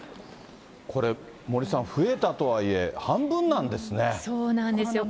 これ、森さん、増えたとはいえ、そうなんですよ。